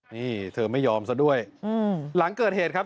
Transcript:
นี่เธอไม่ยอมซะด้วยหลังเกิดเหตุครับ